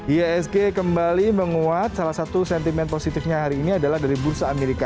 iasg kembali menguat salah satu sentimen positifnya hari ini adalah dari bursa amerika